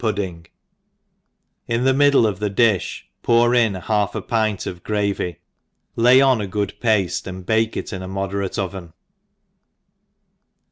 157 the^pudding in the middle of the di(h, pour in half a pint of gravy, lay on a good pafle^ and bake it in a moderate oven.